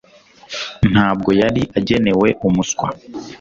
Ntabwo yari agenewe umuswa